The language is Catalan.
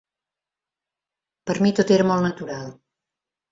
Per a mi tot era molt natural.